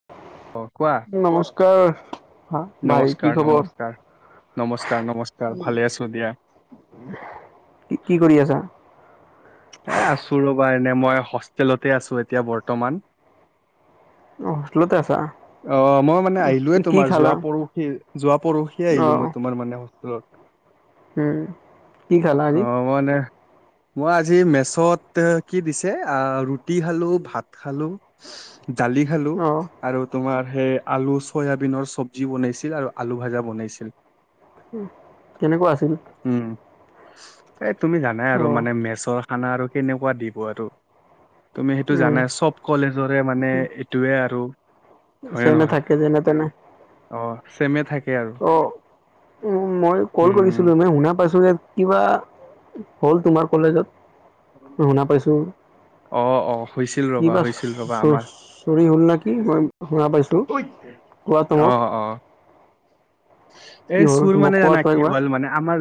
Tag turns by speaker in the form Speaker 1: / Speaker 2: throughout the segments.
Speaker 1: [inaudible]
Speaker 2: অ', কোৱা।
Speaker 1: নমস্কাৰ! হা ভাই কি
Speaker 2: নমস্কাৰ,
Speaker 1: খবৰ
Speaker 2: নমস্কাৰ, নমস্কাৰ, নমস্কাৰ, ভালে আছো দিয়া।
Speaker 1: কি কি কৰি আছা?
Speaker 2: এ আছো ৰ'বা এনে মই হোষ্টেলতে আছো এতিয়া বৰ্তমান।
Speaker 1: অহ হোষ্টেলতে আছা?
Speaker 2: অ', মই মানে আহিলোে
Speaker 1: কি
Speaker 2: তোমাৰ
Speaker 1: খালা
Speaker 2: যোৱা পৰহি যোৱা পৰহি
Speaker 1: অ
Speaker 2: আহিলো মই তোমাৰ মানে হোষ্টেলত।
Speaker 1: উম, কি খালা আজি?
Speaker 2: মই মানে মই আজি মেচত কি দিছে আ ৰুটি খালো, ভাত খালো দালি খালো
Speaker 1: অ
Speaker 2: আৰু তোমাৰ সেই আলু চয়াবিনৰ চব্জি বনাইছিল আৰু আলু ভাজা বনাইছিল।
Speaker 1: উম, কেনেকুৱা আছিল?
Speaker 2: উম, এই তুমি জানাই
Speaker 1: অ
Speaker 2: আৰু মানে মেচৰ খানা আৰু কেনেকুৱা দিব আৰু তুমি সেইটো
Speaker 1: উম
Speaker 2: জানায়ে। চব কলেজৰে মানে সেইটোৱে আৰু। হয়ে
Speaker 1: চেমে
Speaker 2: নহয়
Speaker 1: থাকে যেনে তেনে।
Speaker 2: অ', চেমে থাক
Speaker 1: অ', উম মই কল
Speaker 2: উম
Speaker 1: কৰিছিলো মানে শুনা পাইছো যে কিবা হ'ল তোমাৰ কলেজত মই শুনা পাইছো।
Speaker 2: অ অ হৈছিল ৰবা
Speaker 1: কিবা
Speaker 2: হৈছিল ৰবা আমাৰ
Speaker 1: চ-চ-চুৰি হ'ল নে কি মই শুনা পাইছো। কোৱা তোমাক
Speaker 2: অ', অ'।
Speaker 1: কি
Speaker 2: এই
Speaker 1: হ'ল
Speaker 2: চুৰ
Speaker 1: তোমাক
Speaker 2: মানে
Speaker 1: কোৱা
Speaker 2: জানা
Speaker 1: তো
Speaker 2: কি
Speaker 1: একবাৰ
Speaker 2: হ'ল মানে আমাৰ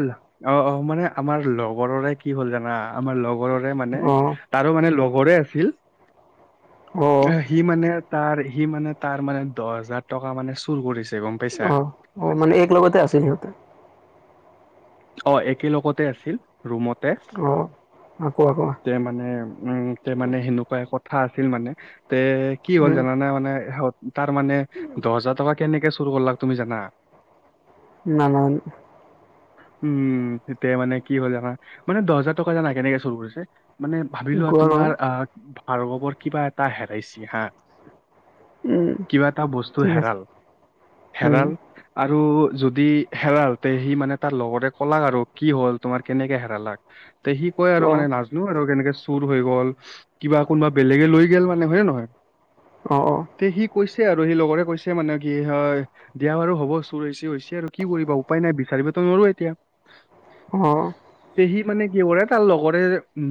Speaker 2: অ', অ', মানে আমাৰ লগৰৰে কি হ'ল জানা। আমাৰ লগৰৰে মানে
Speaker 1: অ
Speaker 2: তাৰো মানে লগৰে আছিল।
Speaker 1: অ
Speaker 2: সি মানে তাৰ সি মানে তাৰ মানে দহ হাজাৰ টকা মানে চুৰ কৰিছে গম পাইছা
Speaker 1: অ', অ', মানে এক লগতে আছিল সিহঁতে?
Speaker 2: অ', একেলগতে আছিল ৰুমতে।
Speaker 1: অ', আ কোৱা কোৱা।
Speaker 2: তে মানে উম তে মানে সেনেকুৱা কথা আছিল মানে। তে কি হ'ল জানে মানে তাৰ মানে দহ হাজাৰ টকা কেনেকে চুৰ কৰলাক তুমি জানা?
Speaker 1: নানান
Speaker 2: উম, তেতিয়া মানে কি হ'ল জানা মানে দহ হাজাৰ টকা জানা কেনেকে চুৰ কৰিছে। মানে ভাবি লোৱা
Speaker 1: কোৱা কোৱা
Speaker 2: তোমাৰ আহ, ভাৰ্গৱৰ কিবা এটা হেৰাইছে হা। কিবা এটা বস্তু
Speaker 1: ঠিক
Speaker 2: হেৰাল,
Speaker 1: আছে
Speaker 2: হেৰাল আৰু যদি হেৰাল, ত' সি মানে তাৰ লগৰে ক'লাক আৰু কি হ'ল? তোমাৰ কেনেকে হেৰালাক? ত' সি কয় আৰু
Speaker 1: অঁ
Speaker 2: মানে নাজানো আৰু কেনেকে চুৰ হৈ গ'ল কিবা, কোনোবা বেলেগে লৈ গ'ল মানে হয়নে নহয়?
Speaker 1: অঁ, অ'।
Speaker 2: তে, সি কৈছে আৰু, সি লগৰে কৈছে মানে কি হয় বিয়া বাৰু হ'ব চুৰ হৈছে, হৈছে আৰু কি কৰিবা উপায় নাই, বিচাৰিবটো নোৱাৰো এতিয়া।
Speaker 1: অ'।
Speaker 2: ত' সি মানে কি কৰে, তাৰ লগৰে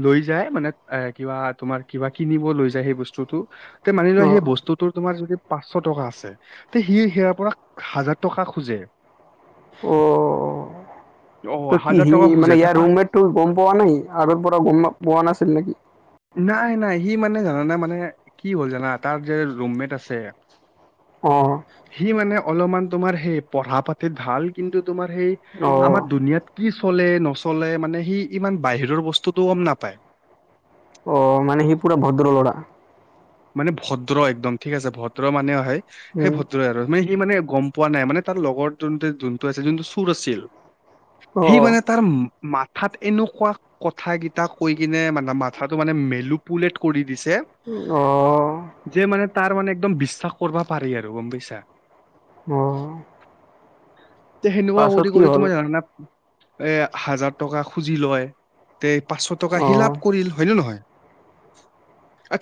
Speaker 2: লৈ যায়, মানে এ, কিবা তোমাৰ, কিবা কিনিব লৈ যায়, সেই বস্তু সটো ত' মানি লোৱা সেই বস্তুটো, তোমাৰ য পাঁচশ টকা আছে, ত', সি সেয়াৰ পৰা হাজাৰ টকা খোজে।
Speaker 1: অঁ।
Speaker 2: অ
Speaker 1: ত' কি
Speaker 2: হাজাৰ
Speaker 1: সি
Speaker 2: টকা
Speaker 1: মানে
Speaker 2: খোজে তে
Speaker 1: ইয়াৰ
Speaker 2: পাঁচ
Speaker 1: ৰুমেট টো গম পোৱা নাই, আগৰ পৰা গম পোৱা নাছিল নেকি?
Speaker 2: নাই, নাই সি মানে জানানে মানে কি হ'ল জানা, তাৰ যে ৰুমমেট আছে
Speaker 1: অঁ।
Speaker 2: সি মানে অলপমান তোমাৰ সেই পঢ়া পাতিত ভাল, কিন্তু তোমাৰ সেই
Speaker 1: অঁ
Speaker 2: আমাৰ দুুনিয়াত কি চলে, নচলে মানে সি ইমান বাহিৰৰ বস্তুটো গম নাপায়।
Speaker 1: অ'। মানে সি পুৰা ভদ্ৰ ল'ৰা।
Speaker 2: মানে ভদ্ৰ একদম ঠিক আছে, ভদ্ৰ মানে হয়, সেই
Speaker 1: অঁ
Speaker 2: ভদ্ৰই আৰু। সি মানে গম পোৱা নাই, মানে তাৰ লগৰ যোনটো আছিল, যোনটো চুৰ আছিল। সি
Speaker 1: অঁ
Speaker 2: মানে তাৰ মাথাত এনেকুৱা কথা কিটা কৈ কিনে, মানে মাথাটো মানে মেনুপুলেট কৰি দিছে
Speaker 1: অ'।
Speaker 2: যে মানে তাৰ মানে, একদম বিশ্বাস কৰিব পাৰি আৰু গম পাইছা।
Speaker 1: অঁ।
Speaker 2: ত' সেনেকুৱা
Speaker 1: পাছত
Speaker 2: কৰি,
Speaker 1: কি
Speaker 2: কৰি
Speaker 1: হ'ল
Speaker 2: তোমাৰ জানানে হাজাৰ টকা খুজি লয়। তে পাঁচশ টকা
Speaker 1: অঁ
Speaker 2: ফিলাপ কৰিল, হয় নে নহয়।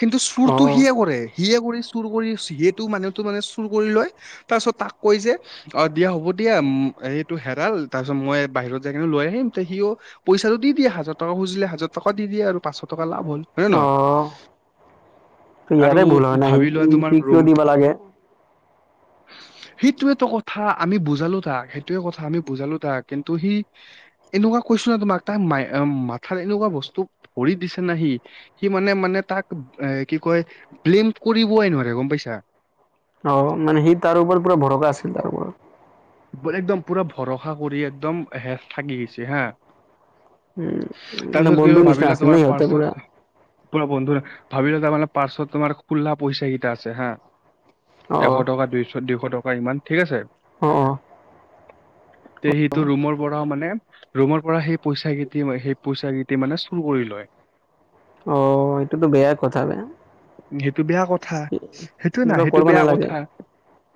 Speaker 2: কিন্তু চুৰ টো
Speaker 1: অঁ
Speaker 2: সিয়ে কৰে, সিয়ে কৰি চুৰ কৰি সিয়েটো মানুহটো মানে চুৰ কৰি লয়, তাৰপিছত তাক কয় যে অ', দিয়া হ'ব দিয়া, এইটো হেৰাল তাৰ পিছত মই বাহিৰত যাই কিনে লৈ আহিম, তে সি পইচাটো দি দিয়ে, হাজাৰ টকা খুজিলে হাজাৰ টকা দি দিয়ে আৰু, পাঁচশ টকা লাভ হ'ল, হয় নে নহয়।
Speaker 1: ত'
Speaker 2: আৰু
Speaker 1: ইয়াৰে ভুল হয় না,
Speaker 2: ভাবি লোৱা তোমাৰ
Speaker 1: সি কিয় দিব লাগে।
Speaker 2: সেইটোৱেটো কথা, আমি বুজালো তাক, সেইটোৱে কথা আমি বুজালো তাক, কিন্তু সি এনেকুৱা কৈছো ন' তোমাক, তাক মা-মাথাত এনেকুৱা বস্তু ভৰি দিছে ন' সি সি মানে, মানে তাক এ, কি কয়, ব্লেম কৰিবয়েই নোৱাৰে গ'ম পাইছা।
Speaker 1: অ', মানে সি তাৰ ওপৰত পুৰা ভৰষা আছিল,
Speaker 2: অ,
Speaker 1: তাৰ ওপৰত।
Speaker 2: একদম পুৰা ভৰসা কৰি, একদম হে থাকি গৈছে হা।
Speaker 1: উম, মানে
Speaker 2: তাৰপিছত কি
Speaker 1: বন্ধু নিচিনা
Speaker 2: ভাবিলা
Speaker 1: আছিল ন
Speaker 2: তোমাৰ
Speaker 1: সিহঁতে পুৰা
Speaker 2: পাৰ্চত পৰা বন্ধু, ভাবিলো তাৰ মানে পাৰ্চত তোমাৰ খুলা পইচা কেইটা আছে হা। এশ
Speaker 1: অ',
Speaker 2: টকা, দুইশ, দুইশ টকা, ইমান ঠিক আছে।
Speaker 1: অ'।
Speaker 2: ত' সেইটো সি ৰোমৰ পৰা মানে ৰোমৰ পৰা সেই পইচা কেইটি, সেই পইচা কেইটি মানে চুৰ কৰি লয়।
Speaker 1: অ', এইটোটো বেয়া কথা ন'।
Speaker 2: সেইটো বেয়া কথা সেইটোয়ে না
Speaker 1: এনেকুৱা
Speaker 2: সেইটো
Speaker 1: কৰিব
Speaker 2: বেয়া
Speaker 1: নালাগে
Speaker 2: কথা।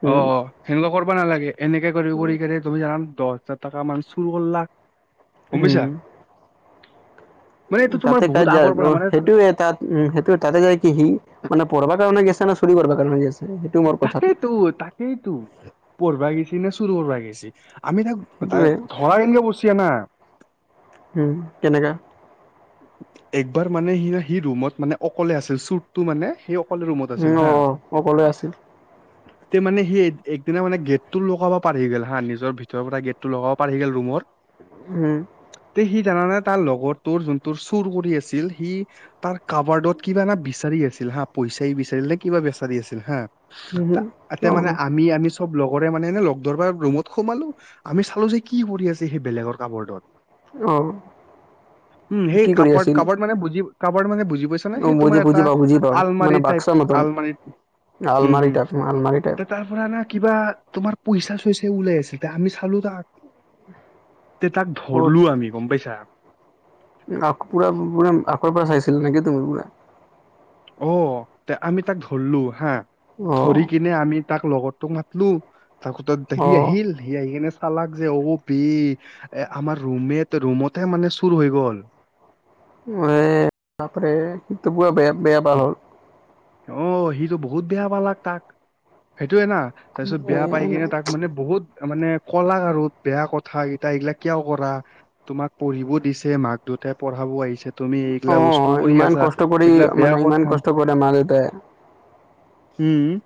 Speaker 1: উম,
Speaker 2: অ' অ'! সেনেকুৱা কৰিব নালাগে এনেকে কৰি কৰি কেনে তুমি জানা দহ হাজাৰ টকা মান চুৰ কৰলাক।
Speaker 1: উম।
Speaker 2: মানে এইটো তোমাৰ
Speaker 1: তাতে [unintelligible]
Speaker 2: বহুত আগৰ পৰা মানে
Speaker 1: সেইটো তাত। উম, সেইটোৱে তাতে যায় কি সি মানে পঢ়বাৰ কাৰণে গৈছে না চুৰি কৰিা কাৰণে গৈছে।
Speaker 2: তাকেতো তাকেইতো পঢ়িবা গৈছি নে চুৰি কৰিবা গেৈছি। আমি তাক
Speaker 1: সেইটোয়ে
Speaker 2: তাক ধৰাই কেনে [unintelligible]
Speaker 1: উম, কেনেকা।
Speaker 2: একবাৰ মানে সি সি ৰুমত মানে অকলে আছিল চুৰটো মানে। সেই
Speaker 1: উম, অ' অকলে আছিল।
Speaker 2: তে মানে সি একদিনা মানে গেটটো লগাব পাৰি গ'ল হা নিজৰ ভিতৰৰ পৰা গেটটো লগাব পাৰি গ'ল ৰুমৰ।
Speaker 1: হম।
Speaker 2: তে সি জানানে তাৰ লগৰ তোৰ যোনটোৰ চুৰ কৰি আছিল। সি তাৰ কাবাৰ্ডত কিবা এ বিচাৰি আছিল হা পইচাই বিচাৰি আছিল নে কিবা বিচাৰি আছিল হা।
Speaker 1: উম,
Speaker 2: তাতে মানে
Speaker 1: অ',
Speaker 2: আমি আমি চব লগৰে মানে এনে লগ ধৰিবা ৰুমত সোমালো আমি চালো যে কি কৰি আছে সি বেলেগৰ কাবাৰ্ডত।
Speaker 1: অ'।
Speaker 2: উম, সেই
Speaker 1: কি কৰি
Speaker 2: কাবাৰৰ্ড
Speaker 1: আছিল
Speaker 2: কাবাৰৰ্ড মানে বুজি কাবাৰৰ্ড মানে বুজি পাইছ
Speaker 1: অ',
Speaker 2: সেই
Speaker 1: বুজি
Speaker 2: তোমাৰ
Speaker 1: বুজি
Speaker 2: এটা
Speaker 1: পাওঁ বুজি পাওঁ মানে
Speaker 2: আলমাৰি টাইপ
Speaker 1: বাক্সা মতন
Speaker 2: আলমাৰি হম
Speaker 1: আলমাৰি
Speaker 2: হম।
Speaker 1: টাইপ আলমাৰি টাইপ
Speaker 2: তাৰ পৰা না কিবা তোমাৰ পইচা চইচাই ওলাই আছিল আমি চালো তাক। তে তাক
Speaker 1: অ',
Speaker 2: ধৰলো আমি গম পাইছা।
Speaker 1: পুৰা পুৰা আগৰ পৰা চাইছিলা নেকি তুমি পুৰা?
Speaker 2: অ', তে আমি তাক ধৰলো হা
Speaker 1: অ
Speaker 2: ধৰি কিনে আমি তাক লগৰ তোক মাতলো তাকো [unintelligible]
Speaker 1: অ
Speaker 2: সি আহিল। সি আহি কেনে চালাক যে অ' বে এ আমাৰ ৰুম মেত ৰুমতে মানে চুৰ হৈ গ'ল।
Speaker 1: [unintelligible] বাপৰে এইটো পুৰা বেয়া বেয়া [unintelligible]
Speaker 2: অ', সিটো বহুত বেয়া পালাক তাক সেইটোয়ে না। তাৰপিছত
Speaker 1: এ
Speaker 2: বেয়া পাই কিনে তাক মানে বহুত মানে কলাক আৰু বেয়া কথা কেইটা এইগিলাক কিয় কৰা। তোমাক পঢ়িব দিছে মাক দেউতাই পঢ়াবও আহিছে। তুমি
Speaker 1: অ
Speaker 2: এইগিলাক বস্তু কৰি
Speaker 1: ইমান
Speaker 2: আছা,
Speaker 1: কষ্ট কৰি
Speaker 2: এইগিলাক বেয়া
Speaker 1: মানে
Speaker 2: কথা।
Speaker 1: [unintelligible] মা দেউতাই
Speaker 2: উম।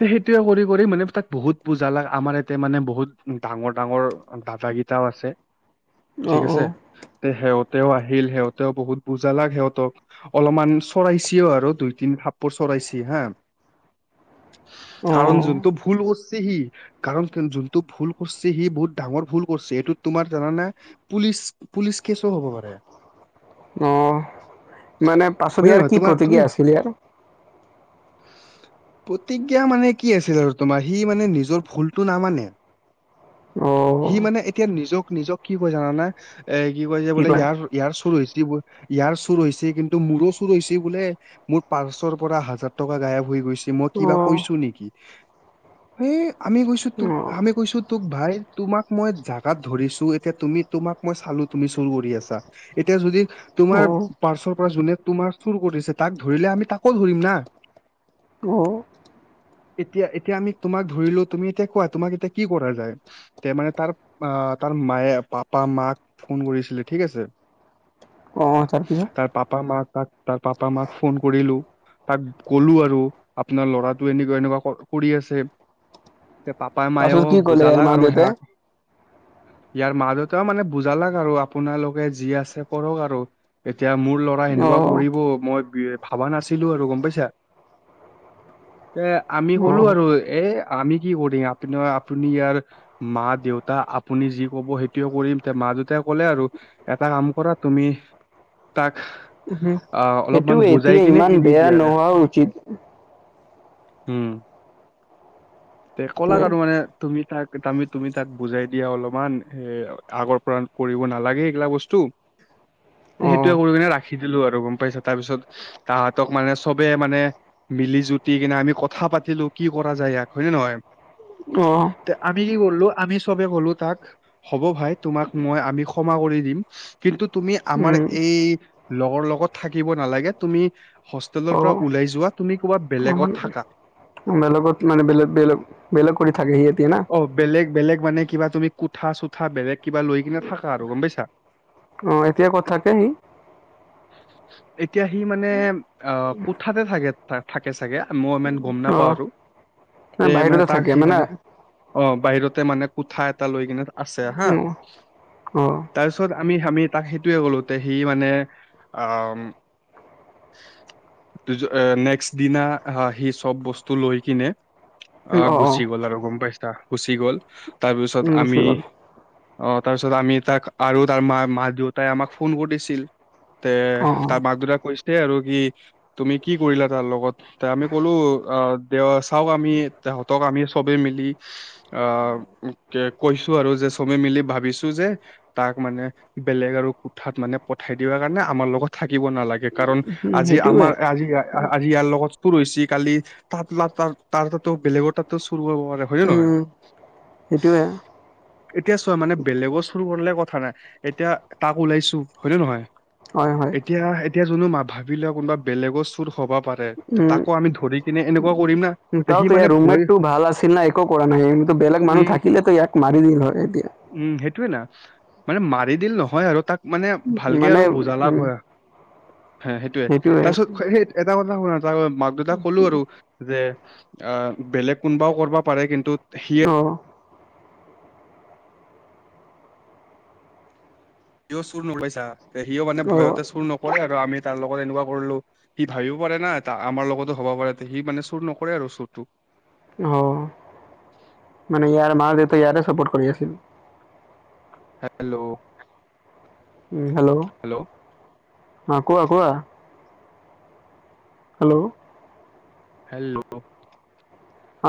Speaker 2: সেইটোয়ে কৰি মানে তাক বহুত বুজালাক আমাৰ এইয়াতে মানে বহুত ডাঙৰ ডাঙৰ দাদা কিতাও আছে
Speaker 1: অ
Speaker 2: ঠিক
Speaker 1: অ
Speaker 2: আছে। সিহঁতেও আহিল সিহঁতেও বহুত বুজালাক সিহঁতক, অলপমান চৰাইচিও আৰু দুই তিন থাপৰ চৰাইচি হা।
Speaker 1: অ
Speaker 2: কাৰণ যোনটো ভুল কৰ সি কাৰণ যোনটো ভুল কৰিছে সি বহুত ডাঙৰ ভুল কৰিছি। সেইটো তোমাৰ জানা নে পুলিচ পুলিচ কেচো হ'ব পাৰে।
Speaker 1: অহ মানে পাছত
Speaker 2: হয় নে
Speaker 1: ইয়াৰ
Speaker 2: নহয়
Speaker 1: কি
Speaker 2: তোমাৰ তুমি
Speaker 1: প্ৰতিক্ৰিয়া আছিল ইয়াৰ? [inaudible]
Speaker 2: প্ৰতিক্ৰিয়া মানে কি আছিল আৰু তোমাৰ সি মানে নিজৰ ভুলটো নামানে।
Speaker 1: অ
Speaker 2: সি মানে এতিয়া নিজক নিজক কি কয় জানানে এ কি কৈ যে বোলে ইয়াৰ ইয়াৰ চুৰ হৈছে বোৰ ইয়াৰ চুৰ হৈছে কিন্তু মোৰো চুৰ হৈছে বোলে, মোৰ পাৰ্চৰ পৰা হাজাৰ টকা গায়ব হৈ গৈছে। মই
Speaker 1: অ
Speaker 2: কিবা কৈছোঁ নেকি? এ, আমি কৈছোঁ
Speaker 1: অ
Speaker 2: তোক, আমি কৈছো তোক ভাই, তোমাক মই জাগাত ধৰিছোঁ, এতিয়া তুমি, তোমাক মই চালো তুমি চুৰ কৰি আছা। এতিয়া যদি, তোমাৰ
Speaker 1: অ
Speaker 2: পাৰ্চৰ পৰা যোনে তোমাৰ চুৰ কৰিছে, তাক ধৰিলে আমি তাকো ধৰিম না।
Speaker 1: অ'।
Speaker 2: এতিয়া, এতিয়া আমি তোমাক ধৰিলোঁ, তুমি এতিয়া কোৱা, তোমাক এতিয়া কি কৰা যায়? তে মানে তাৰ, আহ তাৰ মায়ে, পাপা মাক ফোন কৰিছিলে ঠিক আছে।
Speaker 1: অ' তাৰপিছত?
Speaker 2: তাৰ পাপা মাক, তাৰ পাপা মাক ফোন কৰিলো। তাক ক'লো আৰু, আপোনাৰ ল'ৰাটো এনেকুৱা এনেকুৱা কৰি আছে। তে পাপাই
Speaker 1: পাছত
Speaker 2: মায়েও
Speaker 1: কি ক'লে ইয়াৰ মা
Speaker 2: বুজালাক আৰু
Speaker 1: দেউতাই
Speaker 2: সেয়া ইয়াৰ মা-দেউতাও মানে বুজালাক আৰু, আপোনালোকে যি আছে কৰক আৰু। এতিয়া মোৰ ল'ৰা
Speaker 1: অ
Speaker 2: সেনেকুৱা কৰিব, মই ভাবা নাছিলো আৰু গম পাইছা। এ আমি
Speaker 1: অ
Speaker 2: ক'লো আৰু, এ, আমি কি কৰিম আপুনাৰ আপুনি ইয়াৰ মা-দেউতা, আপুনি যি ক'ব সেইটোৱে কৰিম এ মা দেউতাই ক'লে আৰু এটা কাম কৰা তুমি, তাক আহ
Speaker 1: সেইটো
Speaker 2: অলপমান বুজাই
Speaker 1: এতিয়া
Speaker 2: কিনে
Speaker 1: ইমান
Speaker 2: এৰি
Speaker 1: বেয়া
Speaker 2: দিয়া আৰু
Speaker 1: নোহোৱা উচিত।
Speaker 2: উম
Speaker 1: [inaudible]
Speaker 2: তে
Speaker 1: অ
Speaker 2: কলাক আৰু মানে, তুমি তাক, তুমি তাক বুজাই দিয়া অলপমান, হে আগৰ পৰা কৰিব নালাগে সেইবিলাক বস্তু
Speaker 1: [inaudible]
Speaker 2: সেইটোৱে কৰি
Speaker 1: অ
Speaker 2: কিনে ৰাখি দিলো আৰু, গম পাইছে, তাৰপিছত তাহাঁতক মানে চবে মানে মিলি জুতি কিনে আমি কথা পাতিলো, কি কৰা যায় ইয়াক হয় নে নহয়? তে আমি কি কৰিলো, আমি চবে ক'লো তাক হ'ব ভাই তোমাক মই, আমি ক্ষমা কৰি দিম কিন্তু, তুমি আমাৰ
Speaker 1: উম
Speaker 2: এই লগৰ লগত থাকিব নালাগে তুমি হোষ্টেলৰ
Speaker 1: অ
Speaker 2: পৰা ওলাই যোৱা, তুমি কৰবাত
Speaker 1: অমান
Speaker 2: বেলেগত থাকা।
Speaker 1: বেলেগত মানে, বেলেগ, বেলেগ, বেলেগ কৰি থাকে সিহঁতে না?
Speaker 2: অ', বেলেগ, বেলেগ মানে, কিবা তুমি কোঠা-চোঠা বেলেগ কিবা লৈ কিনে থাকা আৰু, গম পাইছা?
Speaker 1: অ', এতিয়া ক'ত থাকে সি?
Speaker 2: [inaudible] এতিয়া সি মানে অ', কোঠাতে থাকে, থাকে চাগে, মই ইমান গম
Speaker 1: অ
Speaker 2: নাপাও আৰু, তে মানে তাক সি মানে অ', বাহিৰতে মানে কোঠা এটা লৈ কিনে আছে হা।
Speaker 1: উম অ
Speaker 2: তাৰপিছত আমি, আমি তাক সেইটোৱে ক'লো তে সি মানে অ' নেক্স দিনা আহ, সি চব বস্তু লৈ কিনে
Speaker 1: উম,
Speaker 2: আহ
Speaker 1: অ অ
Speaker 2: গুচি গ'ল আৰু গম পাইছা, গুচি গ'ল তাৰপিছত
Speaker 1: উম, গুচি
Speaker 2: আমি
Speaker 1: গ'ল
Speaker 2: অ', তাৰপিছত আমি, তাক আৰু তাৰ মা, মা দেউতাই আমাক ফোন কৰিছিল। তে,
Speaker 1: অ অ
Speaker 2: তাৰ মাক দেউতাক কৈছে আৰু, কি তুমি কি কৰিলা তাৰ লগত। ত' আমি ক'লো অ', দে চাওঁক আমি তাহঁতক আমি চবেই মিলি আহ কৈছো আৰু যে, চবে মিলি ভাবিছোঁ যে তাক মানে, বেলেগ আৰু কোঠাত মানে পঠাই দিয়া কাৰণে আমাৰ লগত থাকিব নালাগে, কাৰণ
Speaker 1: উম,
Speaker 2: আজি
Speaker 1: সেইটোৱে
Speaker 2: আমাৰ আজি আজি ইয়াৰ লগত চুৰ হৈছে, কালি [unintelligible] তাৰতাতো, বেলেগৰ তাতো চুৰ কৰিব পাৰে। হয় নহয়?
Speaker 1: সেটোৱে।
Speaker 2: এতিয়া চোৱা মানে বেলেগৰ চুৰ কৰলে কথা নাই, এতিয়া তাক ওলাইছোঁ হয়নে নহয়?
Speaker 1: হয়, হয়।
Speaker 2: এতিয়া এতিয়া যোনো মা ভাবিলা কোনবা বেলেগৰ চুৰ হ'বা পাৰে তাকো আমি ধৰি তেনে এনেকুৱা কৰিম না। তে সি
Speaker 1: তাউট
Speaker 2: মানে
Speaker 1: ইয়াৰ
Speaker 2: ভয়
Speaker 1: ৰুমেটটো ভাল আছিল না, একো কৰা নাই। কিন্তু বেলেগ মানুহ
Speaker 2: উম
Speaker 1: থাকিলেতো ইয়াক মাৰি দিল হয় এতিয়া।
Speaker 2: উম, সেইটোয়ে না। মানে মাৰি দিল নহয় আৰু তাক মানে ভালকে
Speaker 1: মানে
Speaker 2: আৰু বুজালা
Speaker 1: উম
Speaker 2: হয়। হে, সেটোৱে।
Speaker 1: সেইটোৱে
Speaker 2: তাৰপিছত সেই এটা কথা শুনা, তাৰ মাক দেউতাক ক'লো আৰু যে আ বেলেগ কোনোবাও কৰিবা পাৰে কিন্তু সিয়ে
Speaker 1: অ।
Speaker 2: সিও চুৰ [unintelligible] পাইছা। সিও মানে ভয়তে
Speaker 1: অ
Speaker 2: চুৰ নকৰে আৰু আমি তাৰ লগত এনেকুৱা কৰিলো। সি ভাবিব পাৰে না এটা আমাৰ লগতো হ'বা পাৰে সি মানে চুৰ নকৰে আৰু চুৰটো।
Speaker 1: অ'। মানে ইয়াৰ মা দেউতা ইয়াৰে চাপৰ্ট কৰি আছিল।
Speaker 2: হেল্ল'।
Speaker 1: Um, hello. অ, কোৱা। কোৱা। হেল্ল'।
Speaker 2: হেল্ল'।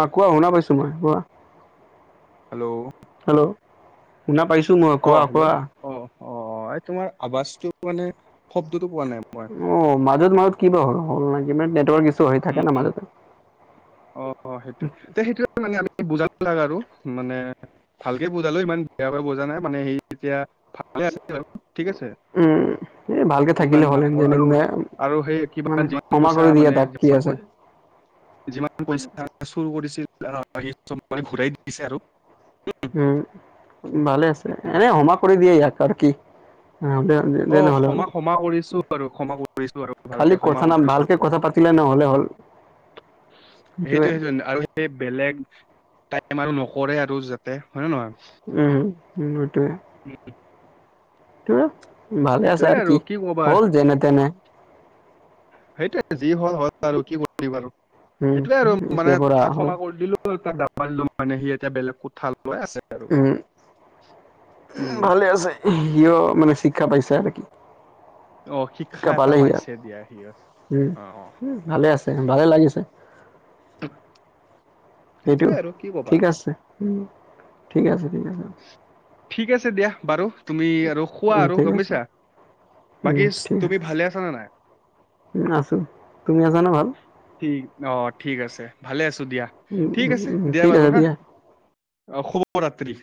Speaker 1: অ', কোৱা শুনা পাইছো মই, কোৱা।
Speaker 2: হেল্ল'।
Speaker 1: হেল্ল'। শুনা পাইছো মই। কোৱা
Speaker 2: অ', হেল্ল'।
Speaker 1: কোৱা
Speaker 2: অ, অ, এই তোমাৰ আৱাজটো মানে শব্দটো পোৱা নাই। [unintelligible]
Speaker 1: অ, মাজত মাজত কিবা হ'ল- [unintelligible] মান নেটৱৰ্ক কিছু হৈ থাকে না
Speaker 2: উম,
Speaker 1: মাজতে।
Speaker 2: অ। অ। সেইটোৱে। তে সেইটোৱে মানে আমি বুজা লাগাল আৰু মানে ভালকে বুজালো। ইমান বেয়াকে বুজা নাই, মানে সেই এতিয়া ভালে আছে আউ, ঠিক আছে।
Speaker 1: উম, এই ভালকৈ
Speaker 2: ইমান
Speaker 1: থাকিলে হ'লেন
Speaker 2: ডাঙৰ
Speaker 1: যেনে
Speaker 2: আৰু
Speaker 1: তেনে
Speaker 2: আৰু সেই কিবা
Speaker 1: মানে
Speaker 2: যিমান
Speaker 1: ক্ষমা
Speaker 2: পইচা
Speaker 1: কৰি দিয়া
Speaker 2: মানে
Speaker 1: তাক কি
Speaker 2: যিমান
Speaker 1: আছে
Speaker 2: পই যিমান পইচা চুৰ কৰিছিল আহ বাকি সব মানে ঘূৰাই দিছে আৰু।
Speaker 1: উম। ভালে আছে।
Speaker 2: উম।
Speaker 1: এনে সমা কৰি দিয়ে ইয়াক আৰু কি। অ, দে।
Speaker 2: অ
Speaker 1: যে নহ'লে হ'ল।
Speaker 2: ক্ষমা ক্ষমা কৰিছো আৰু ক্ষমা কৰিছো আৰু ভালকে
Speaker 1: খালি
Speaker 2: ক্ষমা
Speaker 1: কথা নাম,
Speaker 2: কৰিছো আৰু
Speaker 1: ভালকে কথা পাতিলে নহ'লে হ'ল। [inaudible]
Speaker 2: সেইটো
Speaker 1: সেইটোৱে
Speaker 2: সেইটোন আৰু সেই বেলেগ টাইম আৰু নকৰে আৰু যাতে। হয় নে নহয়?
Speaker 1: উম, উম। সেটোয়ে।
Speaker 2: উম।
Speaker 1: তো, ভালে
Speaker 2: সেইটোয়ে
Speaker 1: আছা আৰ
Speaker 2: আৰু
Speaker 1: কি
Speaker 2: ক'বা আৰু।
Speaker 1: হ'ল যেনে তেনে।
Speaker 2: সেইটোৱে যি হ'ল হ'ল আৰু কি কটটি বাৰু
Speaker 1: উম
Speaker 2: সেটোৱে আৰু মানে
Speaker 1: এতিয়াৰ পৰা
Speaker 2: তাক ক্ষমা কৰি দিলোঁ। তুই তাক দাব্বা দিলুং, মানে সি এতিয়া বেলেগ কোঠাল
Speaker 1: উম।
Speaker 2: উম,
Speaker 1: ভালে আছে। সিয় মানে শিক্ষা পাইছে আৰ কি?
Speaker 2: অ', শিক্ষা এটা
Speaker 1: পালেহি আৰু
Speaker 2: পাইছে দিয়া সিয়।
Speaker 1: উম
Speaker 2: অ, অ'।
Speaker 1: ভালে আছে? ভালে লাগিছে।
Speaker 2: সেটোয়ে আৰু কি ক'বা।
Speaker 1: উম, ঠিক আছে ঠিক আছে।
Speaker 2: ঠিক আছে দিয়া। বাৰু তুমি আৰু শুৱা
Speaker 1: উম
Speaker 2: আৰু
Speaker 1: ঠিক
Speaker 2: গম
Speaker 1: আছে
Speaker 2: পাইছা।
Speaker 1: উম
Speaker 2: বাকী তুমি ভালে আছা নে নাই?
Speaker 1: উম আছো। তুমি আছা নে ভাল?
Speaker 2: ঠিক অ', ঠিক আছে ভালে আছো দিয়া।
Speaker 1: উম
Speaker 2: ঠিক আছে
Speaker 1: উম
Speaker 2: দিয়া
Speaker 1: ঠিক
Speaker 2: বাৰু
Speaker 1: আছে
Speaker 2: হা। অ', শুভ ৰাত্ৰি।